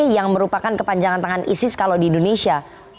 yang merupakan kepanjangan tangan isis kalau di indonesia